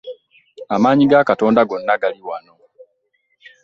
Amaanyi ga Katonda gonna gali wano.